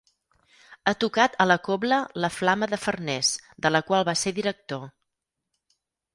Ha tocat a la cobla La Flama de Farners, de la qual va ser director.